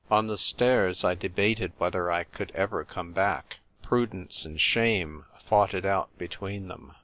On the stairs I debated whether I could ever come back. Prudence and Shame fought it out between them.